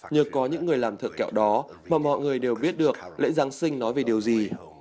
nhờ có những người làm thợ kẹo đó mà mọi người đều biết được lễ giáng sinh nói về điều gì